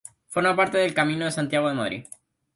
Forma parte del Camino de Santiago de Madrid.